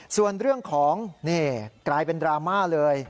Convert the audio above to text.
ส่วนเรื่องของนี่กลายเป็นดราม่าเลย